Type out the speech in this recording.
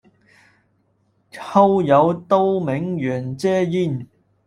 后由杜明远接任。